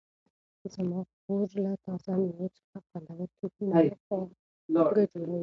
زما خور له تازه مېوو څخه خوندورې کیکونه او خواږه جوړوي.